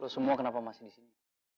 lo semua kenapa masih disini